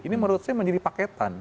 ini menurut saya menjadi paketan